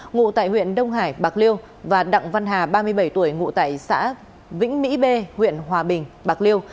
ngụ tại huyện đông hải bạc liêu và đặng văn hà ba mươi bảy tuổi ngụ tại xã vĩnh mỹ b huyện hòa bình bạc liêu